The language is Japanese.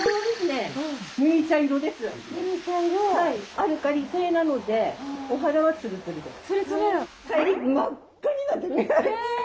アルカリ性なのでお肌はつるつるです。